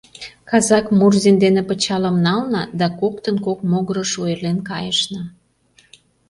Казак Мурзин дене пычалым нална да коктын кок могырыш ойырлен кайышна.